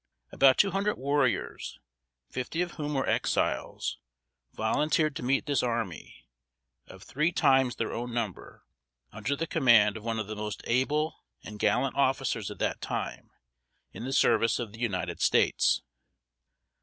About two hundred warriors, fifty of whom were Exiles, volunteered to meet this army, of three times their own number, under the command of one of the most able and gallant officers at that time in the service of the United States.